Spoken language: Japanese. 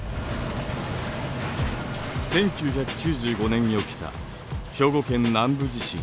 １９９５年に起きた兵庫県南部地震。